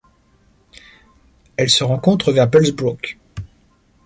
Elle se rencontre vers Bullsbrook.